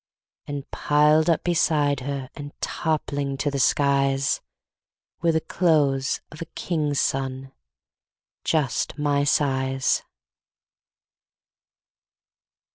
And piled up beside her And toppling to the skies, Were the clothes of a king's son, Just my size.